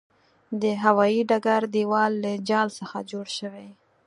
د هوايې ډګر دېوال له جال څخه جوړ شوی.